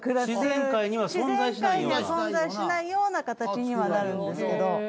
自然界には存在しないような形にはなるんですけど。